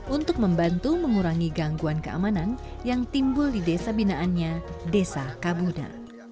untuk membantu mengurangi gangguan keamanan yang timbul di desa binaannya desa kabuda